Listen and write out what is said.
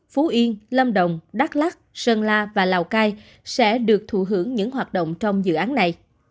phú yên lâm đồng đắk lắc sơn la và lào cai sẽ được thụ hưởng những hoạt động trong dự án này